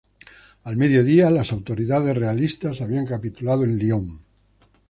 Al mediodía, las autoridades realistas habían capitulado en Lyon.